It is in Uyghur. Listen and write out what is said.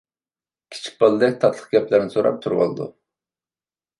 كىچىك بالىدەك تاتلىق گەپلەرنى سوراپ تۇرۇۋالىدۇ.